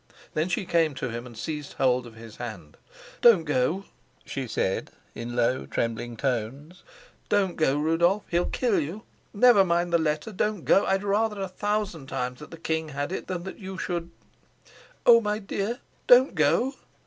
Then she came to him and seized hold of his hand. "Don't go," she said in low trembling tones. "Don't go, Rudolf. He'll kill you. Never mind the letter. Don't go: I had rather a thousand times that the king had it than that you should.... Oh, my dear, don't go!"